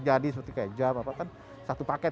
jadi seperti jam satu paket